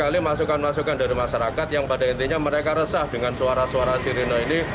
sekali masukan masukan dari masyarakat yang pada intinya mereka resah dengan suara suara sirine ini